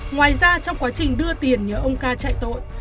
ngoài ra trong quá trình đưa tiền nhớ ông ca chạy tội